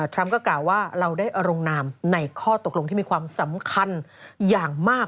ทรัมป์ก็กล่าวว่าเราได้ลงนามในข้อตกลงที่มีความสำคัญอย่างมาก